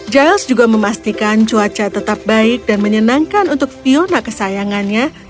giles juga memastikan cuaca tetap baik dan menyenangkan untuk fiona kesayangannya